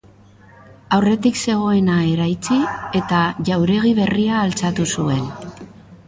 Aurretik zegoena eraitsi eta jauregi berria altxatu zuen.